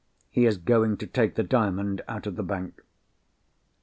He is going to take the Diamond out of the bank."